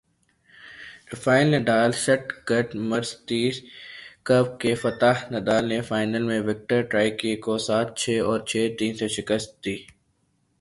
Rafale Nadal Stuttgart Mercedes Cup کے فاتح Nadal نے فائنل میں وکٹر ٹرائیکی کو سات چھے اور چھے تین سے شکست دی